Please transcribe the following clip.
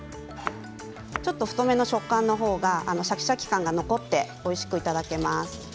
ちょっと太めの食感のほうがシャキシャキ感が残っておいしくいただけます。